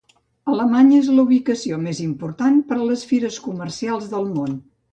Alemanya és la ubicació més important per a les fires comercials del món.